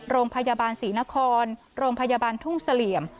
โรงพยาบาลศรีนครโรงพยาบาลทุ่งเสลี่ยม